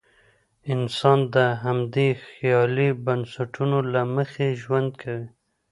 انسان د همدې خیالي بنسټونو له مخې ژوند کوي.